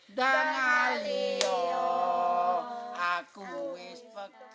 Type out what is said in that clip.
kebukih dan ngalih oh aku is pekang